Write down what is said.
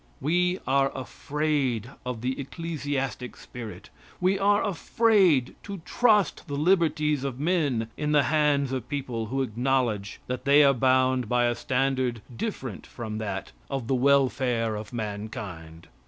We are afraid of the ecclesiastic spirit. We are afraid to trust the liberties of men in the hands of people who acknowledge that they are bound by a standard different from that of the welfare of mankind.